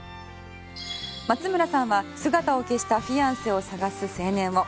松村さんは姿を消したフィアンセを探す青年を。